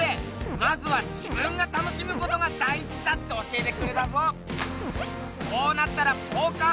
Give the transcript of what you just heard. まずは自分が楽しむことが大事だって教えてくれたぞ！